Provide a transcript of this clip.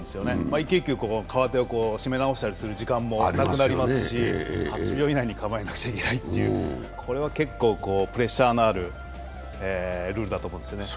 １球１球、締め直す時間もなくなりますし８秒以内に構えなくてはいけない、これは結構プレッシャーのあるルールだと思うんですよね。